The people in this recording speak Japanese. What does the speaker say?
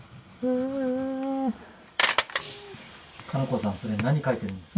加那子さんそれ何描いてるんですか？